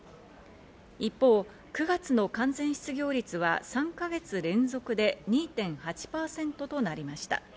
一方、９月の完全失業率は３か月連続で２．８％となりました。